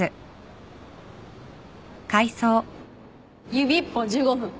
指一本１５分